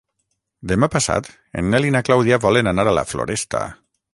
Demà passat en Nel i na Clàudia volen anar a la Floresta.